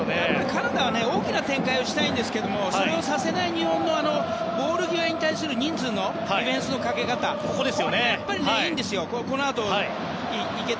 カナダは大きな展開をしたいんですがそれをさせない日本のボール際に対するディフェンスの人数のかけ方これが、やっぱりいいんですよ。